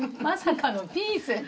まさかのピース！